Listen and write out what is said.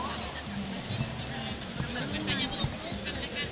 คุณสัมผัสดีครับ